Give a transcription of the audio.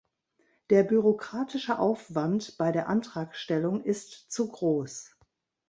Der bürokratische Aufwand bei der Antragstellung ist zu groß.